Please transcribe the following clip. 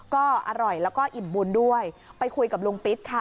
ก็อร่อยแล้วก็อิ่มบุญด้วยไปคุยกับลุงปิ๊ดค่ะ